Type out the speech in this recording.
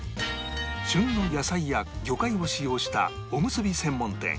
旬の野菜や魚介を使用したおむすび専門店穂の香